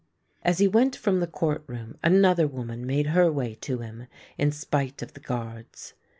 As he went from the court room another woman made her way to him in spite of the guards.